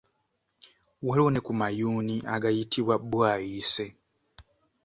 Waliwo ne ku mayuuni agayitibwa Bwayiise.